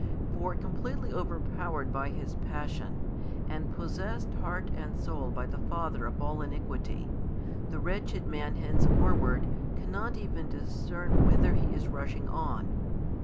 For, completely overpowered by his passion, and possessed heart and soul by the father of all iniquity, the wretched man henceforward cannot even discern whither he is rushing on.